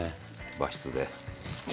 和室で。